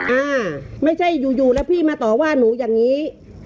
อ่าไม่ใช่อยู่อยู่แล้วพี่มาต่อว่าหนูอย่างนี้